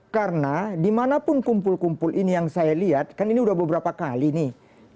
karena dimanapun kumpul kumpul ini yang saya lihat kan ini udah beberapa kali nih